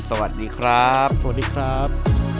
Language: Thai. สวัสดีครับสวัสดีครับ